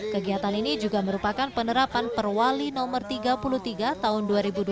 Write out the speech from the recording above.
kegiatan ini juga merupakan penerapan perwali no tiga puluh tiga tahun dua ribu dua puluh